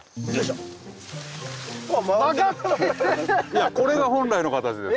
いやこれが本来の形です。